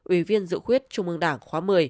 ủy viên dự khuyết trung ương đảng khóa một mươi